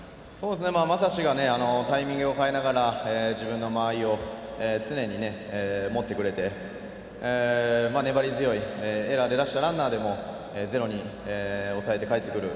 将司がタイミングを変えながら自分の間合いを常に持ってくれて、粘り強いエラーで出したランナーでもゼロに抑えてかえってくる。